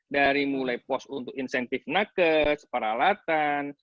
dari mulai post untuk insentif naket separa alatan